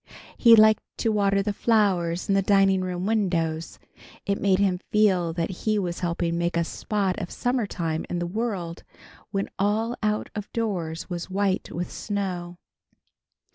He liked to water the flowers in the dining room windows. It made him feel that he was helping make a spot of summertime in the world, when all out of doors was white with snow.